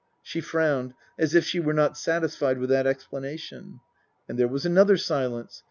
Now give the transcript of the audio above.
She frowned, as if she were not satisfied with that explanation. And there was another silence.